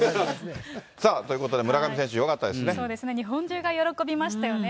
さあということで、村上選手よか日本中が喜びましたよね。